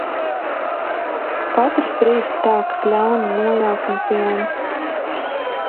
Katrs rīts sākas ļaunu nojausmu pilns.